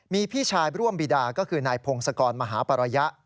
มีพี่ชายร่วมบีดาก็คือนายพงศกรมหาปรยะ